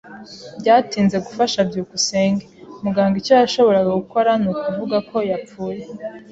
Byatinze gufasha byukusenge. Muganga icyo yashoboraga gukora nukuvuga ko yapfuye.